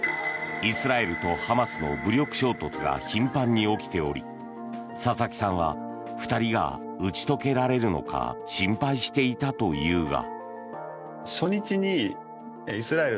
イスラエルとハマスの武力衝突が頻繁に起きており佐々木さんは２人が打ち解けられるのか心配していたというが。